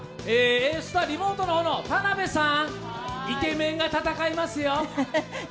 Ａスタ、Ａスタ、リモートの田辺さん、イケメンが戦いますよ。